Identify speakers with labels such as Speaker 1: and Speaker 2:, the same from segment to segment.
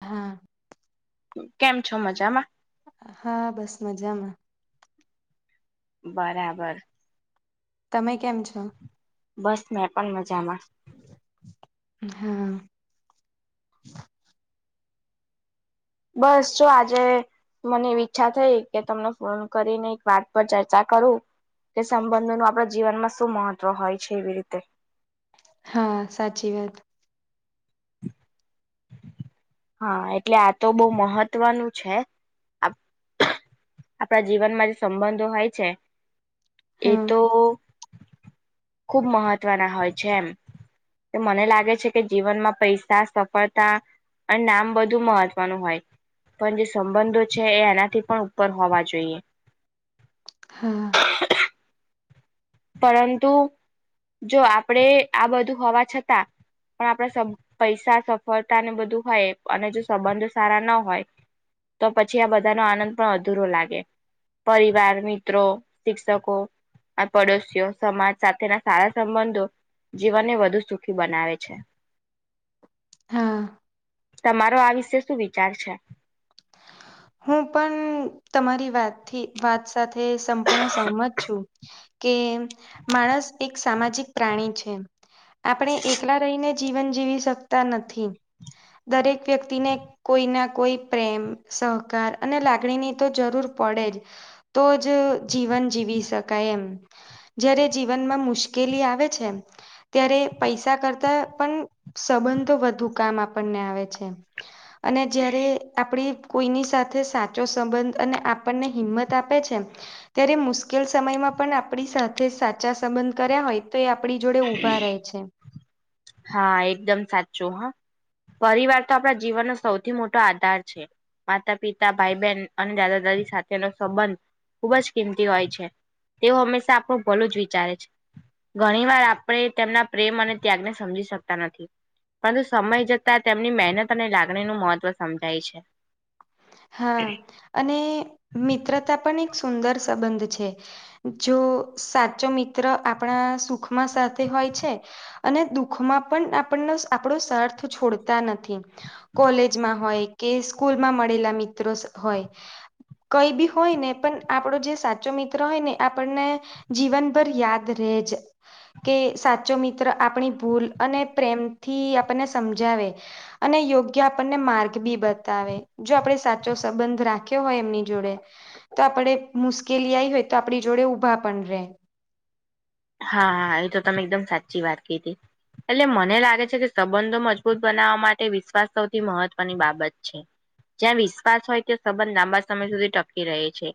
Speaker 1: હા
Speaker 2: કેમ છો મજામાં?
Speaker 1: હા બસ મજામાં
Speaker 2: બરાબર.
Speaker 1: તમે કેમ છો?
Speaker 2: બસ મે પણ મજામાં.
Speaker 1: હા.
Speaker 2: બસ જો આજે. મને એવી ઈચ્છા થઈ કે તમને ફોન કરીને એક વાત પર ચર્ચા કરું. તે સંબંધો ન આપણા જીવનમાં શું મહત્વ હોય છે, એવી રીતે.
Speaker 1: હા, સાચી વાત.
Speaker 2: હા, એટલે આ તો બહુ મહત્વનું છે. આપણા જીવનમાં જે સંબંધો હોય છે, એ
Speaker 1: હા
Speaker 2: તો. ખુબ મહત્વના હોય છે, એમ. તો મને લાગે છે, કે જીવનમાં પૈસા સફળતા. અને નામ બધું મહત્વનું હોય. પણ જે સંબંધો છે, એ એનાથી પણ ઉપર હોવા જોઈએ.
Speaker 1: હા.
Speaker 2: પરંતુ, જો આપણેે આ બધું હોવા છતાં. પણ આપણા સબ પૈસા સફળતા ને બધું હોય અને જો સંબંધ સારા ના હોય. તો પછી આ બધાનો આનંદ પણ અધૂરો લાગે. પરિવાર મિત્રો શિક્ષકો. આ પડોશીઓ સમાજ સાથેના સારા સંબંધો જીવનને વધુ સુખી બનાવે છે.
Speaker 1: હા.
Speaker 2: તમારો આ વિશે શું વિચાર છે.
Speaker 1: હું પણ તમારી વાતથી વાત સાથે સંપૂર્ણ સંહમત છું. કે માણસ એક સામાજિક પ્રાણી છે, આપણે એકલા રહીને. જીવન જીવી શકતા નથી. દરેક વ્યક્તિને કોઈ ના કોઈ પ્રેમ સ. સહકાર અને લાગણીની તો જરૂર પડે જ. તો જ જીવન જીવી શકાય એમ. જ્યારે જીવનમાં મુશ્કેલી આવે છે, ત્યારે પૈસા કરતા પણ. સંબંધો વધુ કામ આપણને આવે છે, અને જયારે આપડી કોઈની સાથે સાચો સંબંધ અને આપણને હિંમત આપે છે. ત્યારે મુશ્કેલ સમયમાં પણ આપણી સાથે સાચા સંબંધ કર્યા હોય. તો એ આપણી જોડે ઊભા રહે છે.
Speaker 2: હા, એકદમ સાચું હા. પરિવાર તો આપણા જીવનનો સૌથી મોટો આધાર છે. માતા- પિતા, ભાઈ બહેન અને દાદા દાદી સાથેનો સંબંધ. ખુબ જ કિંમતી હોય છે, તેવું હંમેશા આપણું ભલું જ વિચારે છે, ઘણીવાર આપણે તેમના પ્રેમ અને ત્યાગને સમજી શકતા નથી. પરંતુ સમય જતા તેમની મહેનત અને લાગણી નું મહત્વ સમજાય છે.
Speaker 1: હા, અને મિત્રતા પણ એક સુંદર સંબંધ છે. જો સાચો મિત્ર આપણા સુખમાં સાથે હોય છે. અને દુઃખમાં પણ આપણને આપણો સાથ છોડતા નથી. કોલેજમાં હોય કે સ્કૂલ માં મળેલા મિત્રો હોય કંઈ બી હોય ને પણ આપણો જે સાચો મિત્ર હોય ને આપણને જીવનભર યાદ રેજ. કે સાચો મિત્ર આપણી ભૂલ અને પ્રેમથી આપણને સમજાવે. અને યોગ્ય આપણને માર્ગ બી બતાવે જો આપણે સાથે. જો સંબંધ રાખ્યો હોય એમની જોડે. તો આપડે મુશ્કેલી આવી હોય તો આપણી જોડે ઊભા પણ રહે.
Speaker 2: હા, એ તો તમે એકદમ સાચી વાત કીધી. એટલે મને લાગે છે, કે સંબંધો મજબૂત બનાવવા માટે વિશ્વાસ સૌથી મહત્વની બાબત છે. જ્યાં વિશ્વાસ હોય ત્યાં સંબંધ લાંબા સમય સુધી ટપકી રહે છે.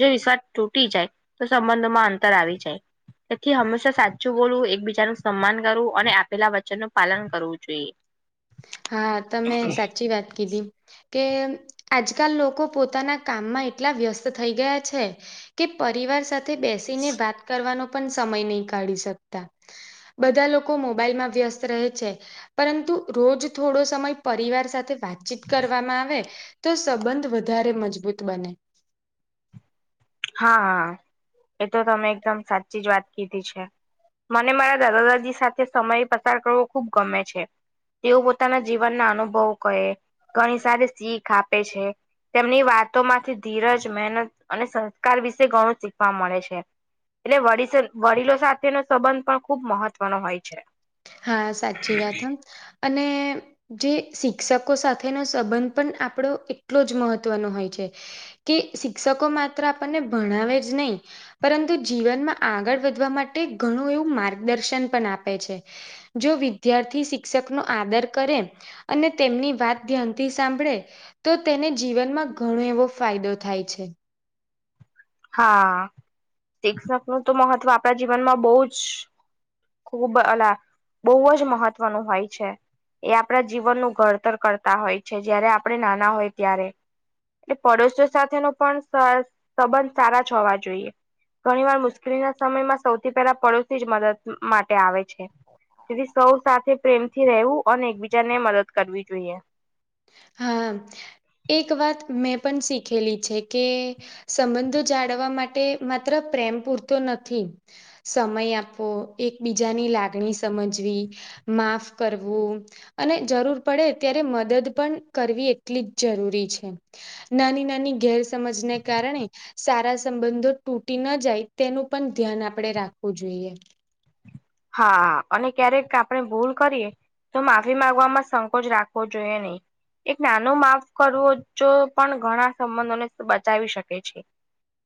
Speaker 2: જો વિશ્વાસ તૂટી જાય તો સંબંધોમાં અંતર આવી જાય. તેથી હંમેશા સાચું બોલવું એકબીજા ન સન્માન કરવું અને આપેલા વચનનું પાલન કરવું જોઈએ.
Speaker 1: હા, તમે સાચી વાત કીધી. કે આજકાલ લોકો પોતાના કામમાં એટલા વ્યસ્ત થઈ ગયા છે. કે પરિવાર સાથે બેસીને વાત કરવાનો પણ સમય નહી કાઢી શકતા. બધા લોકો મોબાઈલમાં વ્યસ્ત રહે છે પરંતુ રોજ થોડો સમય પરિવાર સાથે વાતચીત કરવામાં આવે તો સંબંધ વધારે મજબૂત બને
Speaker 2: હા હા એ તો તમે એકદમ સાચી જ વાત કીધી છે. મને મારા દાદા દાદી સાથે સમય પસાર કરવો ખુબ ગમે છે. તેઓ પોતાના જીવનના અનુભવો કહે ઘણી સારી શીખ આપે છે. તેમની વાતોમાંથી ધીરજ મહેનત અને સંસ્કાર વિશે ઘણું શીખવા મળે છે. એટલે વ વડીલો સાથેનો સંબંધ પણ ખુબ મહત્વનો હોય છે.
Speaker 1: હા સાચી વાત હો અને જે શિક્ષકો સાથેનો સંબંધ પણ આપણો એટલો જ મહત્વનો હોય છે. કે શિક્ષકો માત્ર આપણને ભણાવે જ નહી પરંતુ જીવનમાં આગળ વધવા માટે ઘણું એવું માર્ગદર્શન પણ આપે છે. જો વિદ્યાર્થી શિક્ષક નો આદર કરે અને તેમની વાત ધ્યાનથી સાંભળે તો તેને જીવનમાં ઘણો એવો ફાયદો થાય છે.
Speaker 2: હા શિક્ષકનું તો મહત્વ આપણા જીવનમાં બોવ જ ખૂબ અલા બોવ જ મહત્વનું હોય છે. એ આપણા જીવનનું ઘડતર કરતા હોય છે. જય્યારે આપણે નાના હોય ત્યારે એટલે પડોશો સાથેનો પણ સંબંધ સારા હોવા જોઈએ. ઘણીવાર મુશ્કેલીના સમયમાં સૌથી પહેલા પડોશી જ મદદ માટે આવે છે. તેથી સૌ સાથે પ્રેમથી રહેવું અને એકબીજા ને મદદ કરવી જોઈએ.
Speaker 1: હા એક વાત મેં પણ શીખેલી છે કે સંબંધો જાળવવા માટે માત્ર પ્રેમ પૂરતો નથી સમય આપવો એકબીજાની લાગણી સમજવી માફ કરવું અને જરૂર પડે ત્યારે મદદ પણ કરવી એટલી જ જરૂરી છે નાની નાની ગેરસમજને કારણે સારા સંબંધો તૂટી ના જાય તેનું પણ ધ્યાન આપણેે રાખવું જોઈએ.
Speaker 2: હા અને ક્યારેક આપણે ભૂલ કરીએ તો માફી માંગવાવામાં સંકોચ રાખવો જોઈએ નહી. એક નાનો માફ કરવો જો પણ ઘણા સંબંધોને બચાવી શકે છે.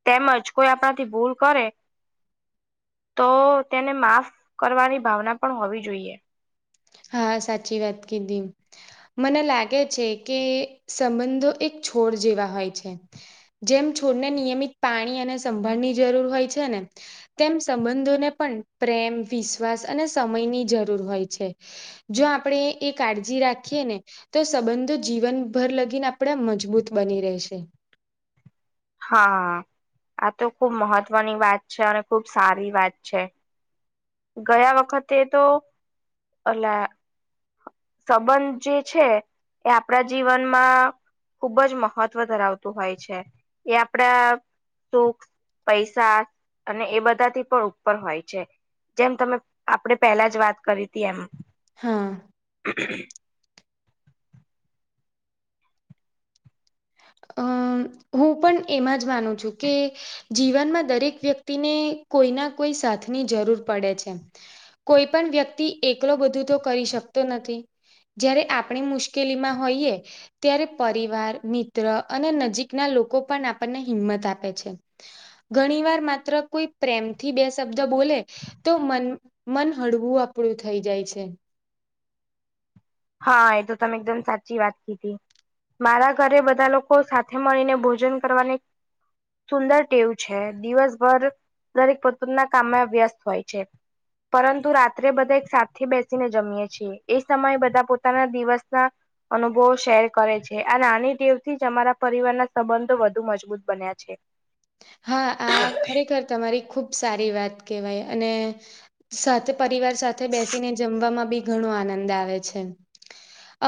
Speaker 2: તેમજ કોઈ આપણાથી ભૂલ કરે તો તેને માફ કરવાની ભાવના પણ હોવી જોઈએ.
Speaker 1: હા સાચી વાત કીધી મને લાગે છે કે સંબંધો એક છોડ જેવા હોય છે. જેમ છોડને નિયમિત પાણી અને સંભાળની જરૂર હોય છે ને તેમ સંબંધોને પણ પ્રેમ વિશ્વાસ અને સમયની જરૂર હોય છે. જો આપણે એ કાળજી રાખીએ ને તો સંબંધો જીવનભર લગીને આપણે મજબૂત બની રહેશે.
Speaker 2: હા આ તો ખુબ મહત્વની વાત છે અને ખુબ સારી વાત છે. ગયા વખતે તો અલા સંબંધ જે છે એ આપણા જીવનમાં ખુબ જ મહત્વ ધરાવતું હોય છે એ આપડા સુખ પૈસા અને એ બધાથી પણ ઉપર હોય છે. જેમ તમે આપણે પેલા જ વાત કરી હતી એમ.
Speaker 1: હા.
Speaker 2: [inaudible]
Speaker 1: અ હું પણ એમાં જ માનું છું કે જીવનમાં દરેક વ્યક્તિને કોઈ ના કોઈ સાથની જરૂર પડે છે. કોઈ પણ વ્યક્તિ એકલો બધું તો કરી શકતો નથી. જયારે આપણે મુશ્કેલીમાં હોઈએ ત્યારે પરિવાર મિત મિત્ર અને નજીકના લોકો પણ આપણને હિંમત આપે છે ઘણી વાર માત્ર કોઈ પ્રેમથી બે શબ્દ બોલે. તો મન મન હળવું આપણું થઈ જાય છે.
Speaker 2: હા એ તો તમે એકદમ સાચી વાત કીધી. મારા ઘરે બધા લોકો સાથે મળીને ભોજન કરવાની. સુંદર ટેવું છે દિવસભર દરેક પોતના કામમાં વ્યસ્ત હોય છે. પરંતુ રાત્રે બધા એક સાથી બેસીને જમીએ છે એ સમયે બધા પોતાના દિવસના અનુભવો શેર કરે છે આ રાની દેવ થી જ અમારા પરિવારના સંબંધો વધુ મજબૂત બન્યા છે. છે.
Speaker 1: હા આ ખરેખર તમારી ખુબ સારી વાત કેહેવાય અને સાથે પરિવાર સાથે બેસીને જમવામાં બી ઘણો આનંદ આવે છે.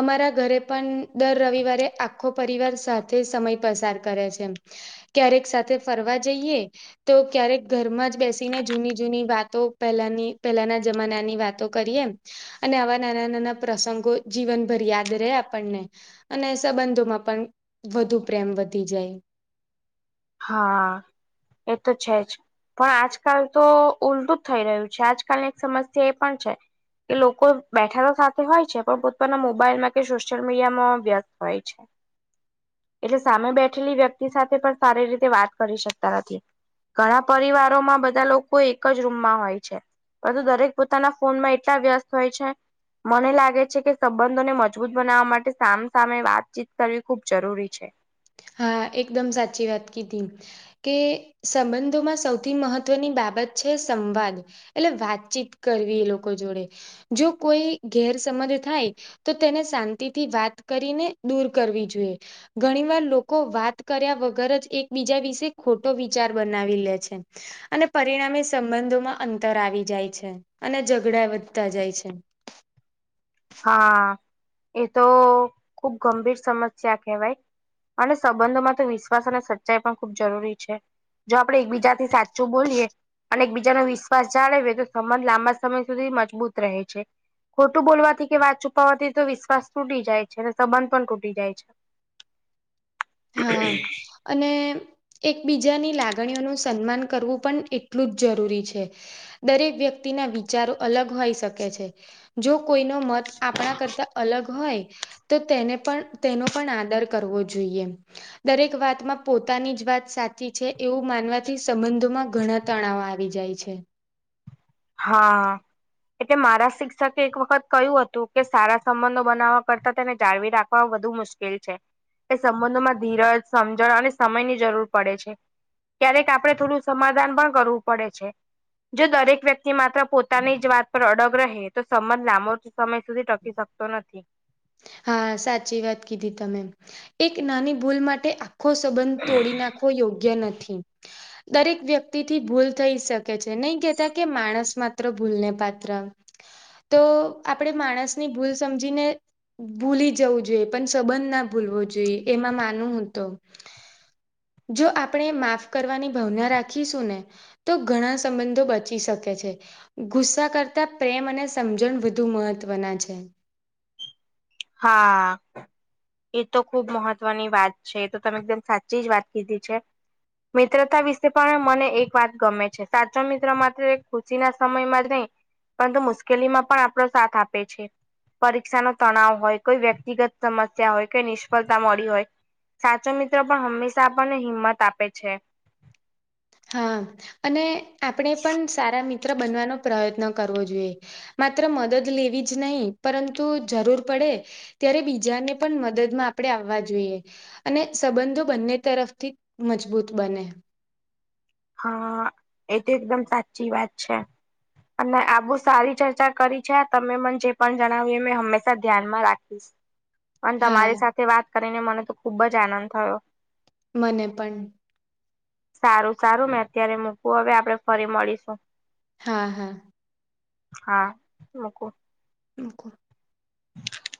Speaker 1: અમારા ઘરે પણ દર રવિવારે આખો પરિવાર સાથે સમય પસાર કરે છે. ક્યારેક સાથે ફરવા જઈએ. તો ક્યારેક ઘરમાં જ બેસીને જૂની જૂની વાતો પહેલાની પહેલાના જમાનાની વાતો કરીએ અને આવા નાના નાના પ્રસંગો જીવનભર યાદ રહે આપણને. અને સંબંધોમાં પણ વધુ પ્રેમ વધી જાય.
Speaker 2: હા એ તો છે જ. પણ આજકાલ તો ઉલટું જ થઈ રહ્યું છે આજકાલની એક સમસ્યા એ પણ છે. કે લોકો બેઠા તો સાથે હોય છે પણ પોતાના મોબાઈલમાં કે સોશિયલ મીડિયામાં વ્યસ્ત હોય છે.
Speaker 1: [inaudible]
Speaker 2: એટલે સામે બેઠેલી વ્યક્તિ સાથે પણ સારી રીતે વાત કરી શકતા નથી. ઘણા પરિવારોમાં બધા લોકો એક જ રૂમમાં હોય છે. પરંતુ દરેક પોતાના ફોનમાં એટલા વ્યસ્ત હોય છે. મને લાગે છે કે સંબંધોને મજબૂત બનાવવા માટે સામ સામે વાતચીત કરવી ખૂબ જરૂરી છે.
Speaker 1: હા એકદમ સાચી વાત કીધી. કે સંબંધોમાં સૌથી મહત્વની બાબત છે સંવાદ એટલે વાતચીત કરવી એ લોકો જોડે જો કોઈ ગેર સમજ થાય. તો તેને શાંતિથી વાત કરીને દૂર કરવી જોઈએ ઘણી વાર લોકો લોકો વાત કર્યા વગર જ એકબીજા વિશે ખોટો વિચાર બનાવી લે છે. અને પરિણામે સંબંધોમાં અંતર આવી જાય છે અને ઝઘડા વધતા જાય છે.
Speaker 2: હા એ તો ખુબ ગંભીર સમસ્યા કેહેવાય. અને સંબંધો માં તો વિશ્વાસ અને સચ્ચાઈ પણ ખૂબ જરૂરી છે. જો આપડે એકબીજા થી સાચું બોલીયએ અને એકબીજાનો વિશ્વાસ જાળવે તો સંબંધ લાંબા સમય સુધી મજબૂત રહે છે. ખોટું બોવાથી. કે વાત છુપાવાથી તો વિશ્વાસ તૂટી જાય છે અને સંબંધ પણ તૂટી જાય છે.
Speaker 1: હા અને એકબીજાની લાગણીઓનું સન્માન કરવું પણ એટલું જ જરૂરી છે. દરેક વ્યક્તિના વિચારો અલગ હોઈ શકે છે. જો કોઈનો મન આપણા કરતા અલગ હોય તો તેને પણ તેનો પણ આદર કરવો જોઈએ એમ. દરેક વાતમાં પોતાની જ વાત સાચી છે એવું માનવાથી સંબંધોમાં ઘણા તણાવ આવી જાય છે.
Speaker 2: હા. એટલે મારા શિક્ષકે એક વખત કહ્યું હતું કે સારા સંબંધો બનાવવા કરતા તેને જાળવી રાખવા વધુ મુશ્કે કેલ છે એ સંબંધોમાં ધીરજ સમજણ અને સમયની જરૂર પડે છે. ક્યારેક આપડણે થોડું સમાધાન પણ કરવું પડે છે જો દરેક વ્યક્તિ તે માત્ર પોતાની જ વાત પર અડગ રહે તો સબંધ લાંબો સમય સુધી ટકી શકતો નથી.
Speaker 1: હા સાચી વાત કીધી તમે. એક નાની ભૂલ માટે આખો સંબંધ તોડી નાખ વો યોગ્ય નથી. દરેક વ્યક્તિથી ભૂલ થઈ શકે છે. નહીં કેતા કે માણસ માત્ર ભૂલને પાત્ર. તો આપણે માણસની ભૂલ સમજીને ભૂલી જવું જોઈએ. પણ સંબંધ ના ભૂલવો જોઈએ એમાં માનું હું તો. જો આપણે માફ કરવાની ભાવના રાખીશું ને તો ઘણા સંબંધો બચી શકે છે. ગુસ્સા કરતા પ્રેમ અને સમજણ વધુ મહત્વના છે.
Speaker 2: હા એ તો ખુબ મહત્વની વાત છે. એ તો તમે એકદમ સાચી જ વાત કીધી છે. મિત્રતા વિશે પણ મને એક વાત ગમે છે. સાચો મિત્ર માત્ર એક ખુશીના સમયમાં જ નહીં. પરંતુ મુશ્કેલીમાં પણ આપણો સાથ આપે છે. પરીક્ષાનો તણાવ હોય, કોઈ વ્યક્તિગત સમસ્યા હોય, કોઈ નિષ્ફળતા મળી હોય. સાચો મિત્ર પણ હંમેશા આપણને હિંમત આપે છે.
Speaker 1: હા અને આપણે પણ સારા મિત્ર બનવાનો પ્રયત્ન કરવો જોઈએ. માત્ર મદદ લેવી જ નહી, પરંતુ જરૂર પડે ત્યારે બીજાને પણ મદદમાં આપણે આવવા જોઈએ. અને સંબંધો બંને તરફથી મજબૂત બને.
Speaker 2: હા એ તો એકદમ સાચી વાત છે. અને આ બહુ સારી ચર્ચા કરી છે. તમે મને જે પણ જણાવ્યું એ મેં હંમેશા ધ્યાનમાં રાખ ખીશ. અને તમારી
Speaker 1: હા
Speaker 2: સાથે વાત કરીને મને તો ખુબ જ આનંદ થયો.
Speaker 1: મને પન.
Speaker 2: સારું સારું મેં અત્યારે મૂકું હવે આપડે ફરી મળીશું.
Speaker 1: હા હા
Speaker 2: હા મુકું.
Speaker 1: મૂકું.
Speaker 2: હ [inaudible]